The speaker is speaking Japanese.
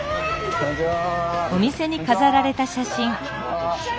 こんにちは。